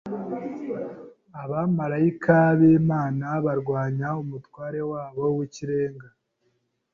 abamarayika b’Imana barwanya umutware wabo w’ikirenga,